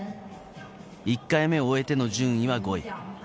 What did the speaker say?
１回目を終えての順位は５位。